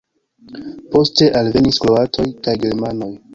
Poste alvenis kroatoj kaj germanoj.